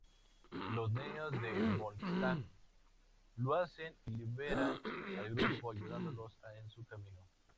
Los niños de Volstagg lo hacen y liberan al grupo, ayudándolos en su camino.